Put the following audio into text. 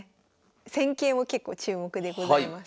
戦型も結構注目でございます。